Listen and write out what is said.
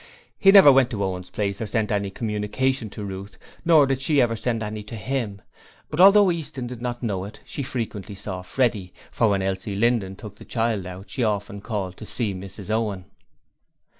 He never went to Owen's place or sent any communication to Ruth, nor did she ever send him any; but although Easton did not know it she frequently saw Freddie, for when Elsie Linden took the child out she often called to see Mrs Owen.